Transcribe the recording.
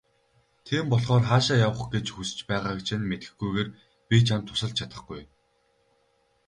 Тийм болохоор хаашаа явах гэж хүс байгааг чинь мэдэхгүйгээр би чамд тусалж чадахгүй.